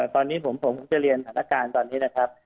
ตอนนี้ผมจะเรียนสถานการณ์ตอนนี้นะครับ